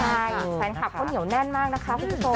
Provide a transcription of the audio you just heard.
ใช่แฟนคลับเขาเหนียวแน่นมากนะคะคุณผู้ชม